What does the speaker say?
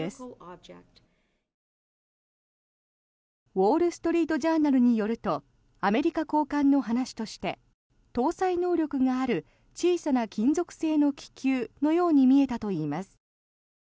ウォール・ストリート・ジャーナルによるとアメリカ高官の話として搭載能力がある小さな金属製の気球のように見えたといいます。